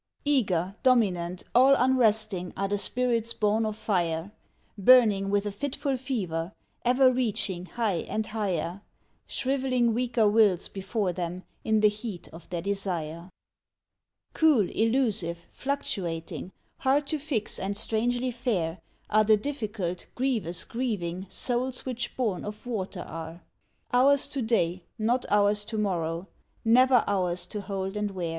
Eager, dominant, all unresting are the spirits born of Fire, Burning with a fitful fever, ever reaching high and higher, Shrivelling weaker wills before them in the heat of their desire. Cool, elusive, fluctuating, hard to fix and strangely fair Are the difficult, grievous, grieving souls which born of Water are Ours to day, not ours to morrow ; never ours to hold and wear.